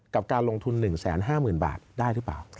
กับการลงทุน๑๕๐๐๐บาทได้หรือเปล่า